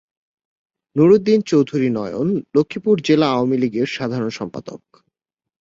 নুর উদ্দিন চৌধুরী নয়ন লক্ষ্মীপুর জেলা আওয়ামী লীগের সাধারণ সম্পাদক।